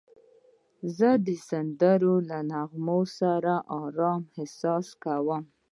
زه د سندرو له نغمو سره آرام احساس کوم.